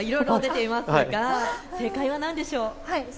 いろいろ出てますが正解は何でしょう。